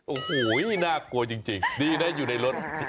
โอ้โหน่ากลัวจริงดีนะอยู่ในรถ